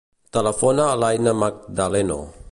Telefona a l'Aina Magdaleno.